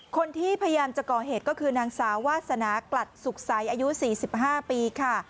พยายามจะก่อเหตุก็คือนางสาววาสนากลัดสุขใสอายุ๔๕ปีค่ะ